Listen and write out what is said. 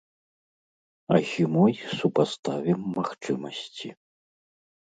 А зімой супаставім магчымасці.